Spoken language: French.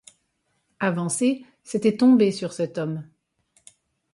Avancer, c'était tomber sur cet homme.